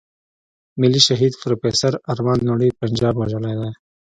ملي شهيد پروفېسور ارمان لوڼی پنجاب وژلی دی.